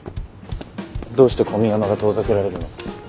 どうして古宮山が遠ざけられるの？